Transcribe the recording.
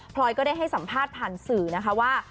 ลอยก็ได้ให้สัมภาษณ์ผ่านสื่อนะคะว่า